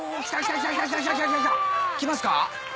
きますか？